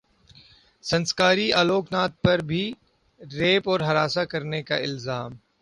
سنسکاری الوک ناتھ پر بھی ریپ اور ہراساں کرنے کا الزام